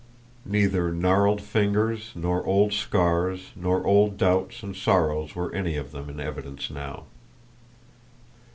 Neither gnarled fingers nor old scars nor old doubts and sorrows were any of them in evidence now.